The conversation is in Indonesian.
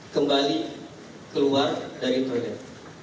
kembali keluar dari toilet